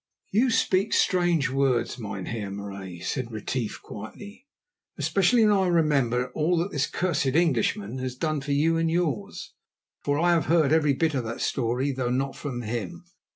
"You speak strange words, Mynheer Marais," said Retief quietly, "especially when I remember all that this 'cursed Englishman' has done for you and yours, for I have heard every bit of that story, though not from him.